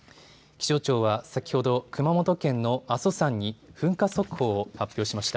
気象庁は先ほど熊本県の阿蘇山に噴火速報を発表しました。